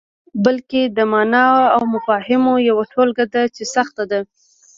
بلکې د معني او مفاهیمو یوه ټولګه ده چې سخته ده.